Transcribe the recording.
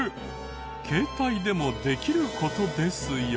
携帯でもできる事ですよ。